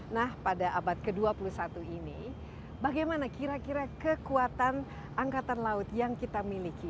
nah pada abad ke dua puluh satu ini bagaimana kira kira kekuatan angkatan laut yang kita miliki